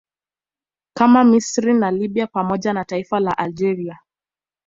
kama Misri na Libya pamoja na taifa la Algeria